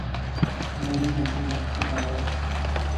میری نقل مت اتاروـ